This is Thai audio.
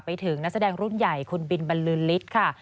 ไปถึงนักแสดงรุ่นใหญ่คุณบินบรรลือฤทธิ์ค่ะ